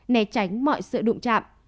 né tránh mọi sự đụng chạm